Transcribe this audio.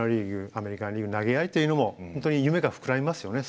アメリカンリーグ投げ合いというのも本当に夢が膨らみますよね